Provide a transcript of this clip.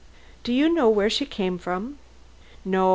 "Do you know where she came from?" "No.